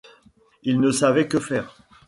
il ne savait que faire